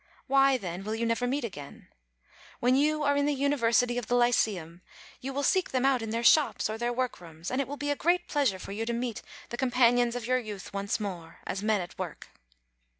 Why, then, will you never meet again? When you are in the University of the Lyceum, you will seek them out in their shops or their workrooms, and it will be a great pleasure for you to meet the companions of your youth once more, as men at work.